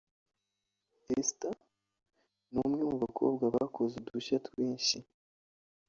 Esther ni umwe mu bakobwa bakoze udushya twinshi